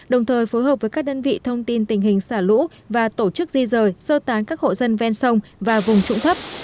đồng thời phối hợp với các đơn vị thông tin tình hình xả lũ và tổ chức di rời sơ tán các hộ dân ven sông và vùng trụng thấp